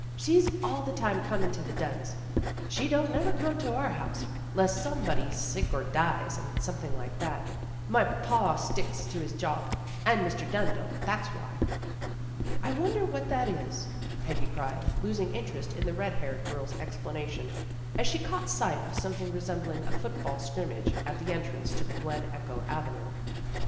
" She's all the tune comin' to the Dunns. She don't never come to our home, 'less some body's sick or dies, or something like that. My pa he sticks to his job, and Mr. Dunn don't, that's why." " I wonder what that is," Peggy cried, losing interest in the red haired girl's explanation, as she caught sight of something resembling a football scrimmage at the entrance to Glen Echo Avenue.